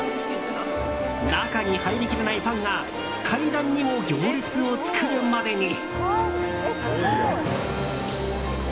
中に入りきれないファンが階段にも行列を作るまでに。